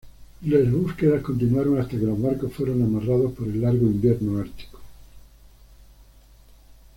Las búsquedas continuaron hasta que los barcos fueron amarrados por el largo invierno ártico.